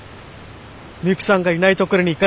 ミユキさんがいない所に行かない。